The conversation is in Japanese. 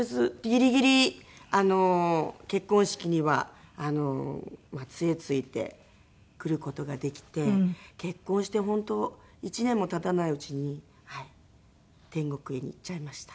ギリギリ結婚式には杖ついて来る事ができて結婚をして本当１年も経たないうちに天国に行っちゃいました。